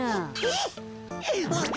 「えっ！？」。